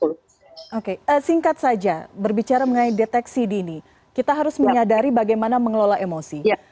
oke singkat saja berbicara mengenai deteksi dini kita harus menyadari bagaimana mengelola emosi